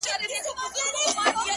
چي ديـدنونه پــــه واوښـتل ـ